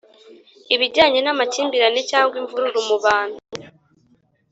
ibijyanye n amakimbirane cyangwa imvururu mubantu